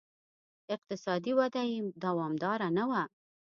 اقتصادي وده یې دوامداره نه وه.